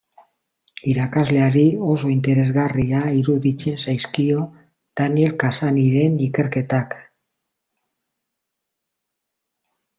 Irakasleari oso interesgarria iruditzen zaizkio Daniel Cassanyren ikerketak.